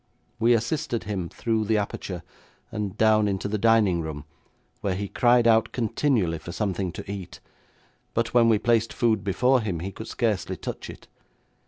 We assisted him through the aperture, and down into the dining room, where he cried out continually for something to eat, but when we placed food before him, he could scarcely touch it.